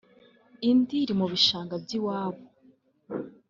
indi iri mu bishanga by’iwabo